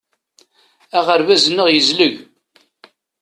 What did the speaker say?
Aɣerbaz-nneɣ yezleg.